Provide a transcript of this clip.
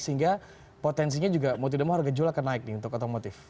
sehingga potensinya juga mau tidak mau harga jual akan naik nih untuk otomotif